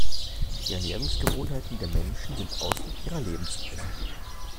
Die Ernährungsgewohnheiten der Menschen sind Ausdruck ihrer Lebensweise.